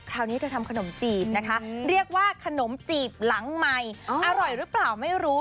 คราวนี้เธอทำขนมจีบนะคะเรียกว่าขนมจีบหลังใหม่อร่อยหรือเปล่าไม่รู้